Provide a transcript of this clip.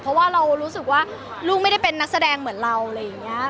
เพราะว่าเรารู้สึกว่าลูกไม่ได้เป็นนักแสดงเหมือนเราอะไรอย่างนี้